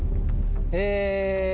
え。